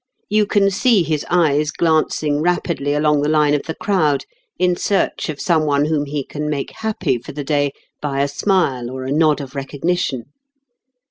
You can see his eyes glancing rapidly along the line of the crowd in search of some one whom he can make happy for the day by a smile or a nod of recognition.